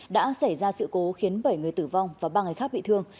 đã xảy ra sự cố khiến bảy người tử vong và ba người khác bị thương